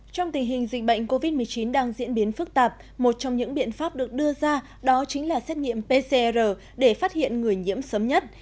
trong tình hình dịch bệnh covid một mươi chín đang diễn biến phức tạp một trong những biện pháp được đưa ra đó chính là xét nghiệm pcr để phát hiện người nhiễm sớm nhất